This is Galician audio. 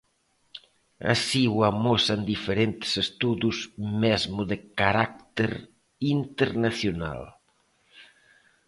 Así o amosan diferentes estudos mesmo de carácter internacional.